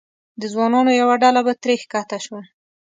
د ځوانانو یوه ډله به ترې ښکته شوه.